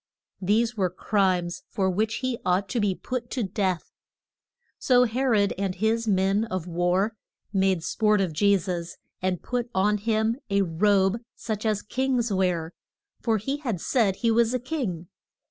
These were crimes for which he ought to be put to death. So He rod and his men of war made sport of Je sus, and put on him a robe such as kings wear; for he had said he was a king.